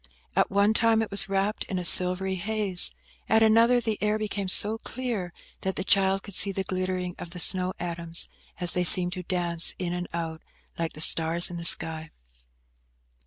At one time it was wrapt in a silvery haze; at another the air became so clear, that the child could see the glittering of the snow atoms, as they seemed to dance in and out, like the stars in the sky.